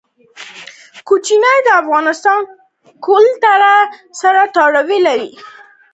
کوچیان د افغان کلتور سره تړاو لري.